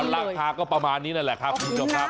ราคาก็ประมาณนี้นั้นแหละครับพูดจบครับ